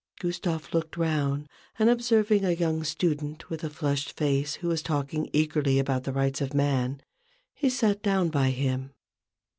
Gustave looked round, and observing a young student with a flushed face who was talking eagerly about the rights of man, he sat down by him.